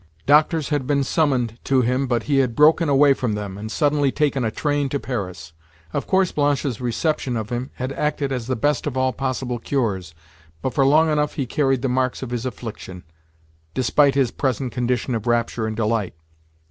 Doctors had been summoned to him, but he had broken away from them, and suddenly taken a train to Paris. Of course Blanche's reception of him had acted as the best of all possible cures, but for long enough he carried the marks of his affliction, despite his present condition of rapture and delight.